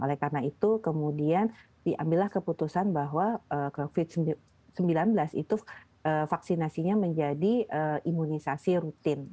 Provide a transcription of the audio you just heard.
oleh karena itu kemudian diambillah keputusan bahwa covid sembilan belas itu vaksinasinya menjadi imunisasi rutin